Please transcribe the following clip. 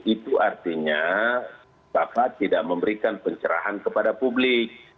itu artinya bapak tidak memberikan pencerahan kepada publik